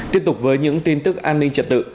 tiếp tục với những tin tức an ninh trật tự